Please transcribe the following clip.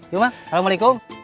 yuk mang assalamualaikum